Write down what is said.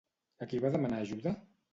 A qui va demanar ajuda?